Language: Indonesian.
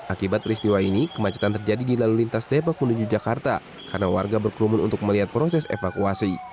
akibat peristiwa ini kemacetan terjadi di lalu lintas depok menuju jakarta karena warga berkerumun untuk melihat proses evakuasi